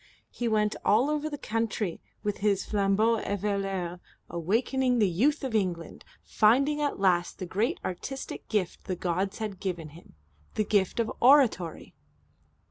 He went all over the country with his flambeau eveilleur, awakening the Youth of England, finding at last the great artistic gift the gods had given him, the gift of oratory.